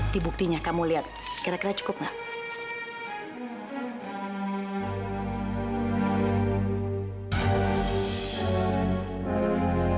dibuktinya kamu liat kira kira cukup gak